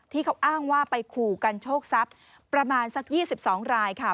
ที่เขาอ้างว่าไปขู่กันโชคทรัพย์ประมาณสัก๒๒รายค่ะ